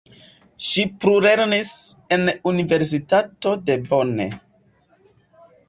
Ŝi plulernis en universitato de Bonn.